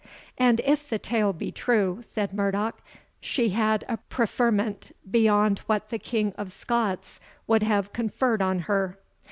] "And if the tale be true," said Murdoch, "she had a preferment beyond what the King of Scots would have conferred on her.